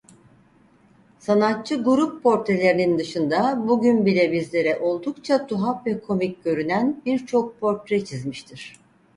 Sanatçı grup portrelerinin dışında bu gün bile bizlere oldukça tuhaf ve komik görünen birçok portre çizmiştir.